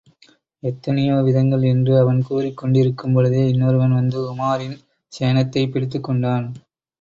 எத்தனையோ விதங்கள் என்று அவன் கூறிக் கொண்டிருக்கும் பொழுதே இன்னொருவன் வந்து உமாரின் சேணத்தைப் பிடித்துக் கொண்டான்.